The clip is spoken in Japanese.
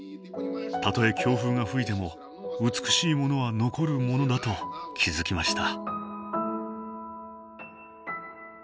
たとえ強風が吹いても美しいものは残るものだと気付きました。